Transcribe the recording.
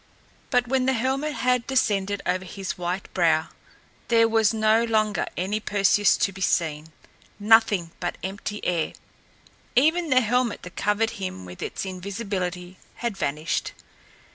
But when the helmet had descended over his white brow, there was no longer any Perseus to be seen! Nothing but empty air! Even the helmet that covered him with its invisibility had vanished!